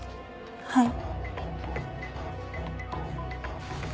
はい。